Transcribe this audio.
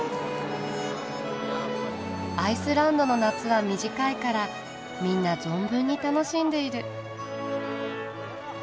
アイスランドの夏は短いからみんな存分に楽しんでいる。